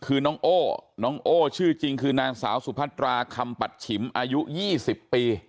คือน้องโอ้น้องโอ้ชื่อจริงคือนางสาวสุพัตราคำปัดฉิมอายุ๒๐ปี